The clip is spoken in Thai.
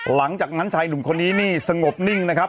หลังจากนั้นชายหนุ่มคนนี้นี่สงบนิ่งนะครับ